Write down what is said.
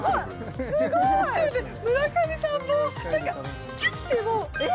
すごい村上さんも何かキュッてもうえ